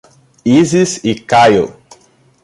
Isis e Caio